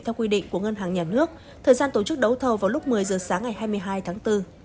theo quy định của ngân hàng nhà nước thời gian tổ chức đấu thầu vào lúc một mươi giờ sáng ngày hai mươi hai tháng bốn